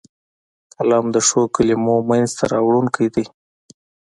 قلم د ښو کلمو منځ ته راوړونکی دی